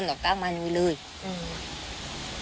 นั้นก็จะใช่บางแ่ง